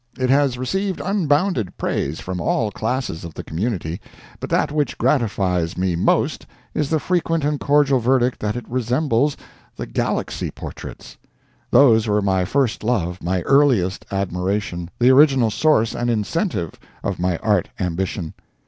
It has received unbounded praise from all classes of the community, but that which gratifies me most is the frequent and cordial verdict that it resembles the Galaxy portraits. Those were my first love, my earliest admiration, the original source and incentive of my art ambition.